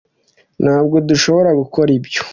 ntabwo dushobora gukora ibyo.